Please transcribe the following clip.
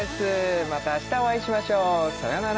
また明日お会いしましょうさよなら！